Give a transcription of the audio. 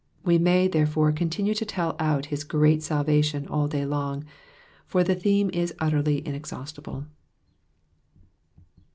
We may, therefore, continue to tell out his great salvation all day long, for the theme is utterly inexhaustible.